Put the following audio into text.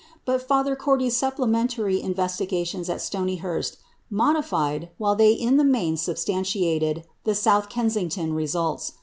But Father Cortie's supplementary investigations at Stonyhurst modified, while they in the main substantiated, the South Kensington results.